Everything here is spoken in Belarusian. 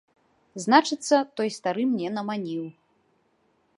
Значыцца, той стары мне наманіў.